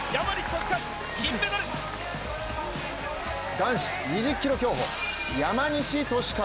男子２０ｋｍ競歩、山西利和。